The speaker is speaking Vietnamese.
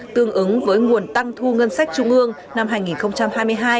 tương ứng với nguồn tăng thu ngân sách trung ương năm hai nghìn hai mươi hai